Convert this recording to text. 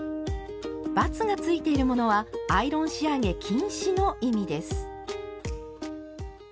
バツがついているものはアイロン仕上げ禁止の意味です。